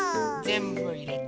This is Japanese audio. ぜんぶいれて。